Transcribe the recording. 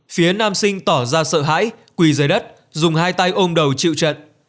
phía nam sinh tỏ ra sợ hãi quỳ dưới đất dùng hai tay ôm đầu chịu trận